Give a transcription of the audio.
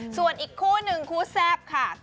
ส่วนอีกคู่หนึ่งคู่แซ่บค่ะ